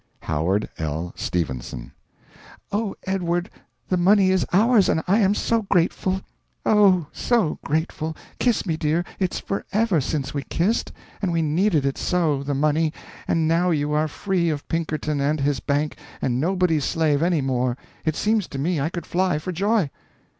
"HOWARD L. STEPHENSON." "Oh, Edward, the money is ours, and I am so grateful, OH, so grateful, kiss me, dear, it's for ever since we kissed and we needed it so the money and now you are free of Pinkerton and his bank, and nobody's slave any more; it seems to me I could fly for joy."